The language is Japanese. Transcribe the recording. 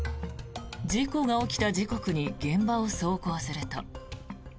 事故が起きた時刻に現場を走行すると。